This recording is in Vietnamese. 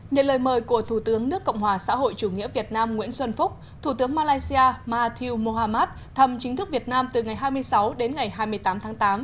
nhật lời mời của thủ tướng nước cộng hòa xã hội chủ nghĩa việt nam nguyễn xuân phúc thủ tướng malaysia mahathir mohamad thăm chính thức việt nam từ ngày hai mươi sáu đến ngày hai mươi tám tháng tám